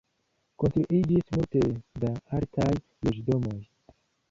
Konstruiĝis multe da altaj loĝdomoj.